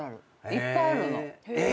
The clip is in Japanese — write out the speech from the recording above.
いっぱいあるの。